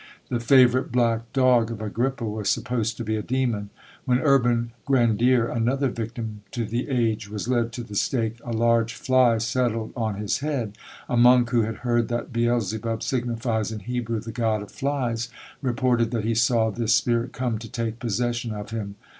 The favourite black dog of Agrippa was supposed to be a demon. When Urban Grandier, another victim to the age, was led to the stake, a large fly settled on his head: a monk, who had heard that Beelzebub signifies in Hebrew the God of Flies, reported that he saw this spirit come to take possession of him.